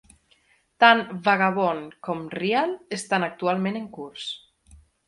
Tant "Vagabond" com "Real" estan actualment en curs.